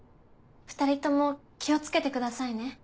２人とも気を付けてくださいね。